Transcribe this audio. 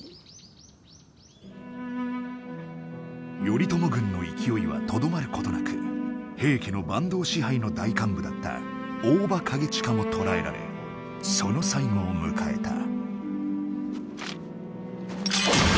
頼朝軍の勢いはとどまることなく平家の坂東支配の大幹部だった大庭景親も捕らえられその最期を迎えた。